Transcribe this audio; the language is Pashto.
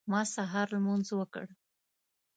ما سهار لمونځ وکړ.